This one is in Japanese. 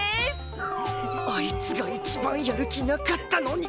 あいつが一番やる気なかったのに。